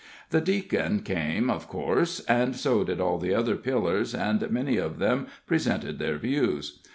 The Deacon came, of course, and so did all the other pillars, and many of them presented their views.